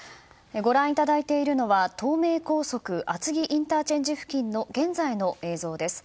ご覧いただいているのは東名高速厚木ＩＣ付近の現在の映像です。